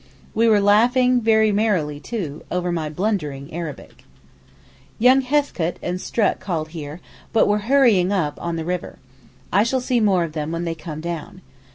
We were laughing very merrily, too, over my blundering Arabic. Young Heathcote and Strutt called here, but were hurrying on up the river. I shall see more of them when they come down.